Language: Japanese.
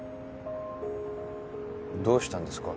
どうしたんですか？